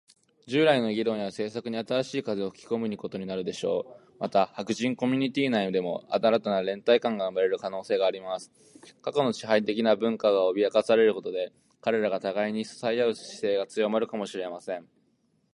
政治的には、マイノリティとしての白人の存在は、新たな政策やコミュニティの形成に影響を与えるかもしれません。彼らの視点が、従来の議論や政策に新しい風を吹き込むことになるでしょう。また、白人コミュニティ内でも、新たな連帯感が生まれる可能性があります。過去の支配的な文化が脅かされることで、彼らが互いに支え合う姿勢が強まるかもしれません。